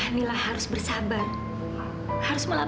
kamila sedang dihukum fadlir